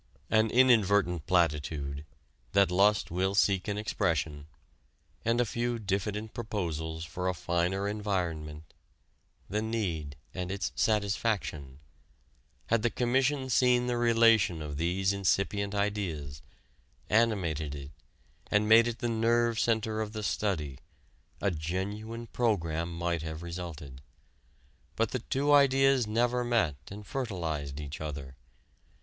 An inadvertent platitude that lust will seek an expression and a few diffident proposals for a finer environment the need and its satisfaction: had the Commission seen the relation of these incipient ideas, animated it, and made it the nerve center of the study, a genuine program might have resulted. But the two ideas never met and fertilized each other.